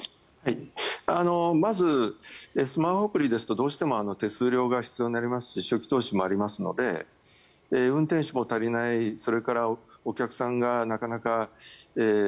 まずスマホアプリですとどうしても手数料が必要になりますし初期投資も必要になりますので運転手も足りないそれからお客さんがなかなか。